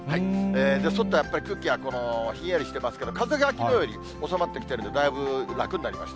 外、やっぱり空気がひんやりしてますけど、風がきのうより収まってきてるんで、だいぶ楽になりました。